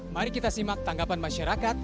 mari kita simak tanggapan masyarakat